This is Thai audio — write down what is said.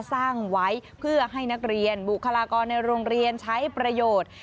สร้างไว้เพื่อให้นักเรียนบุคลากรในโรงเรียนใช้ประโยชน์